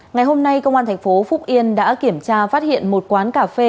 ngày hôm nay công an tp phúc yên đã kiểm tra phát hiện một quán cà phê